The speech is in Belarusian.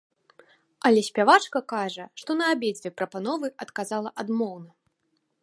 Але спявачка кажа, што на абедзве прапановы адказала адмоўна.